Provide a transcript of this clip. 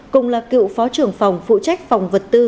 cùng là cựu phó trưởng phòng phụ trách phòng vật tư